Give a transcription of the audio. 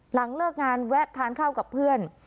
หลังเลิกงานแวะทานข้าวกับเพื่อน